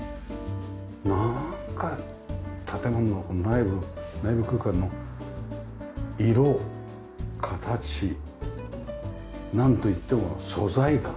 なんか建物のこの内部内部空間の色形なんといっても素材感。